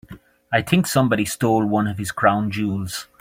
I think somebody stole one of his crown jewels.